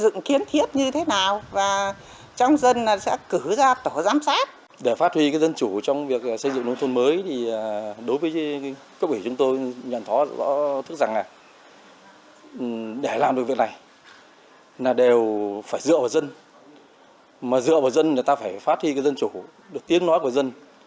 chúng tôi được họp trong dân ra nhà văn hóa họp thống nhất trong dân